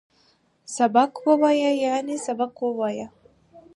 سبک وویه ، یعنی سبق ووایه